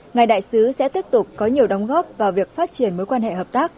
ngài đại sứ sẽ tiếp tục có nhiều đóng góp vào việc phát triển mối quan hệ hợp tác